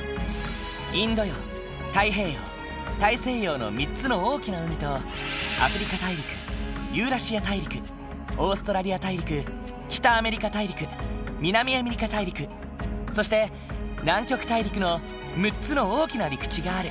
インド洋太平洋大西洋の３つの大きな海とアフリカ大陸ユーラシア大陸オーストラリア大陸北アメリカ大陸南アメリカ大陸そして南極大陸の６つの大きな陸地がある。